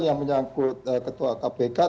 yang menyangkut ketua kpk